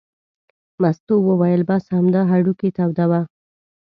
مستو وویل: بس همدا هډوکي تودوه.